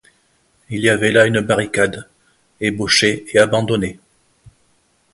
Il y avait là une barricade ébauchée et abandonnée.